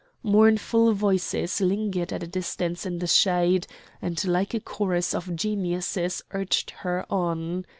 Mournful voices lingered at a distance in the shade, and like a chorus of geniuses urged her on.